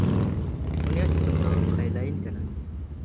ᱩᱱᱤᱭᱟᱜ ᱧᱩᱛᱩᱢ ᱫᱚ ᱠᱷᱟᱭᱞᱟᱹᱭᱤᱱ ᱠᱟᱱᱟ᱾